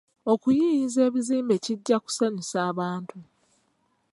Okuyiiyiza ebizimbe kijja kusanyusa abantu.